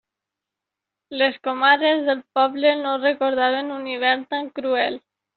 Les comares del poble no recordaven un hivern tan cruel.